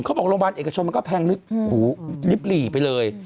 ๑เขาบอกว่าโรงพยาบาลเอกชมมันก็แพงหูลิปรีไปเลย